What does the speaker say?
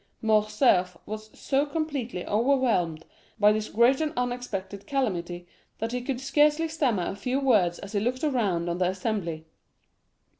Morcerf was so completely overwhelmed by this great and unexpected calamity that he could scarcely stammer a few words as he looked around on the assembly.